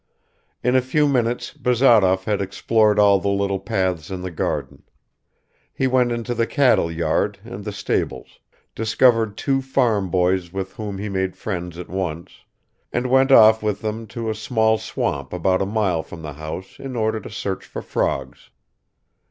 In a few minutes Bazarov had explored all the little paths in the garden; he went into the cattle yard and the stables, discovered two farm boys with whom he made friends at once, and went off with them to a small swamp about a mile from the house in order to search for frogs.